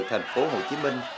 thành phố hồ chí minh